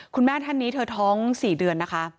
คุณแม่ท่านนี้เธอท้อง๔เดือนนะคะ